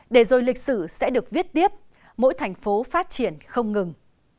để rồi lịch sử sẽ được viết tiếp mỗi thành phố phát triển không ngừng